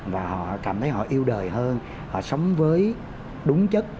và họ cảm thấy họ yêu đời hơn họ sống với đúng chất